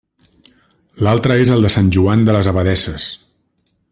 L'altre és el de Sant Joan de les Abadesses.